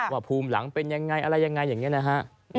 ภูมิหลังเป็นยังไงอะไรยังไงอย่างนี้นะฮะ